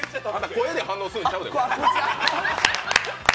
声で反応するんとちゃうで。